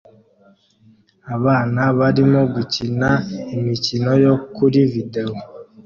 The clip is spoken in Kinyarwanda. Abana barimo gukina imikino yo kuri videwo